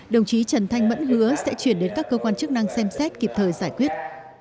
đồng chí trần thanh mẫn hứa sẽ chuyển đến các cơ quan chức năng xem xét kịp thời giải quyết